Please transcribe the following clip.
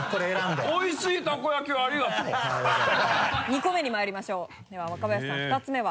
２個目にまいりましょうでは若林さん２つ目は？